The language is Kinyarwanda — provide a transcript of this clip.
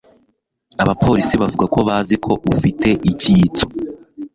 Abapolisi bavuga ko bazi ko ufite icyitso.